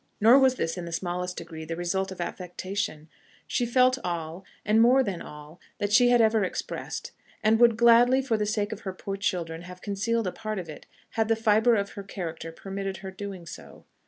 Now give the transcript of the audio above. Nor was this in the smallest degree the result of affectation: she felt all, and more than all, that she had ever expressed, and would gladly, for the sake of her poor children, have concealed a part of it, had the fibre of her character permitted her doing so.